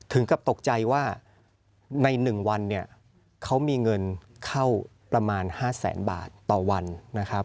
ถึงกับตกใจว่าใน๑วันเนี่ยเขามีเงินเข้าประมาณ๕แสนบาทต่อวันนะครับ